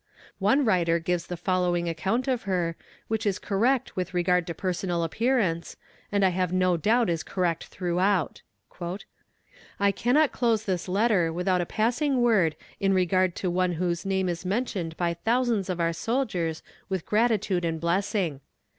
One writer gives the following account of her, which is correct with regard to personal appearance, and I have no doubt is correct throughout: "I cannot close this letter without a passing word in regard to one whose name is mentioned by thousands of our soldiers with gratitude and blessing.